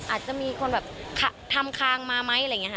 อาจจะมีคนแบบทำคางมาไหมอะไรอย่างนี้ค่ะ